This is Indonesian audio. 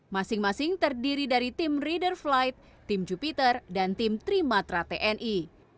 masing masing terdiri dari tim reader flight tim jupiter dan tim trimatra tni